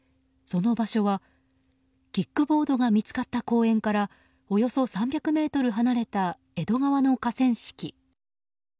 その場所は、キックボードが見つかった公園からおよそ３００ｍ離れた江戸川の河川敷。